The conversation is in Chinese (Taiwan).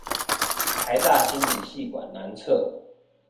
臺大心理系館南側